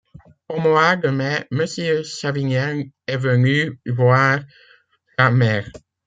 Au mois de mai, monsieur Savinien est venu voir sa mère.